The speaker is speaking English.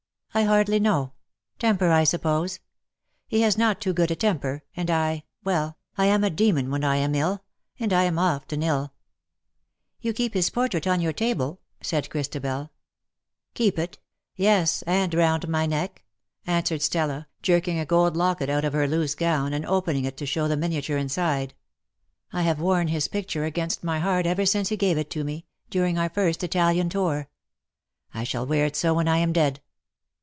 " I hardly know. Temper, I suppose. He has not too good a temper, and I — well, I am a demon when I am ill — and I am often ill.^^ "You keep his portrait on your table,^' said Christabel. " Keep it ? Yes — and round my neck,^^ answered "love is love for evermore." 289 Stella^ jerking a gold locket out of her loose gown, and opening it to show the miniature inside. " I have worn his picture against my heart ever since he gave it me — during our first Italian tour. I shall wear it so when I am dead.